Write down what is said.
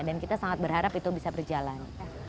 dan kita sangat berharap itu bisa berjalan